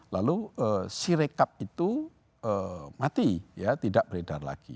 lalu sirekap itu mati tidak beredar lagi